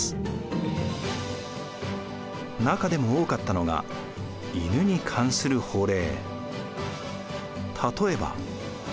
中でも多かったのが犬に関する法令。